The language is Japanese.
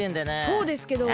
そうですけど。